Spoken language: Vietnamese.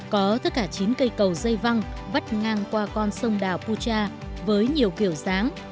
có tất cả chín cây cầu dây văng vắt ngang qua con sông đào pucha với nhiều kiểu dáng